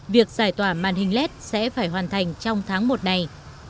việc giải tỏa màn hình led sẽ phải hoàn thành trong tháng một này